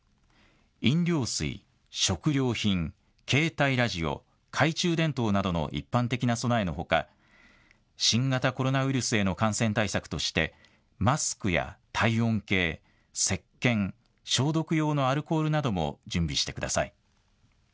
飲料水、食料品携帯ラジオ懐中電灯などの一般的な備えのほか新型コロナウイルスへの感染対策としてマスクや体温計せっけん消毒用のアルコールなども準備してください。